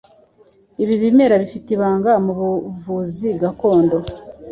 ibi bimera bifite ibanga mu buvuzi gakondo